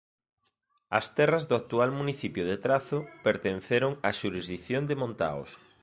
As terras do actual municipio de Trazo pertenceron á xurisdición de Montaos.